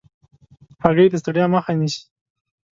هګۍ د ستړیا مخه نیسي.